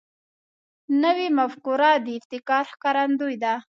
نوې مفکوره د ابتکار ښکارندوی ده